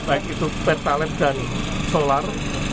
baik itu pertalite dan solar